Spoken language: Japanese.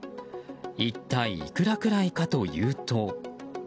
一体いくらくらいかというと。